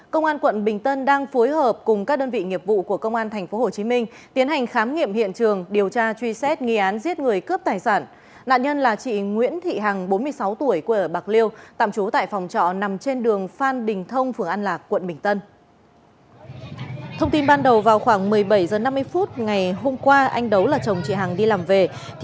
các bạn hãy đăng ký kênh để ủng hộ kênh của chúng mình nhé